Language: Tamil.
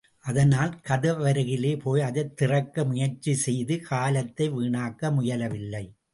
அதனால் கதவருகிலே போய் அதைத் திறக்க முயற்சி செய்து காலத்தை வீணாக்க முயலவில்லை.